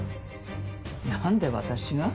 何で私が？